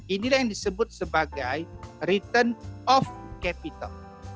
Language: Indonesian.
inilah yang disebut sebagai return of capital